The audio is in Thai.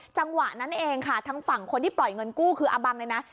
จังหวะนั้นเองค่ะทางฝั่งคนที่ปล่อยเงินกู้คืออาบังเนี่ยนะ